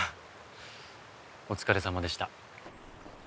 お疲れさまでした。